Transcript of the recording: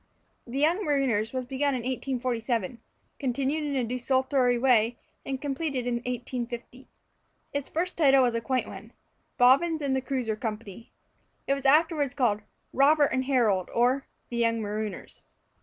"The Young Marooners" was begun in 1847, continued in a desultory way, and completed in 1850. Its first title was a quaint one, "Bobbins and Cruisers Company." It was afterward called "Robert and Harold; or, the Young Marooners."